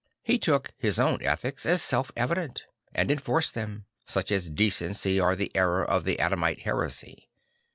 He took his own ethics as self eviden t and enforced them; such as decency or the error of the Adamite heresy.